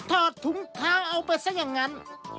อดถุงเท้าเอาไปซะอย่างนั้น